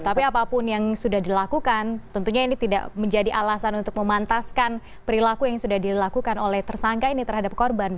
tapi apapun yang sudah dilakukan tentunya ini tidak menjadi alasan untuk memantaskan perilaku yang sudah dilakukan oleh tersangka ini terhadap korban